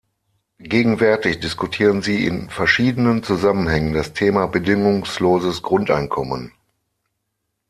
Gegenwärtig diskutieren sie in verschiedenen Zusammenhängen das Thema Bedingungsloses Grundeinkommen.